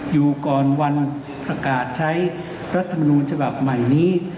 อยู่ก่อนวันประกาศใช้รัฐมนูลฉบับใหม่นี้